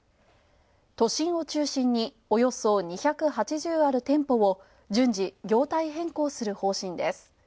都心を中心におよそ２８０ある店舗を順次、業態変更する方針です。